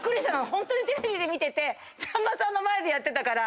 ホントにテレビで見ててさんまさんの前でやってたから。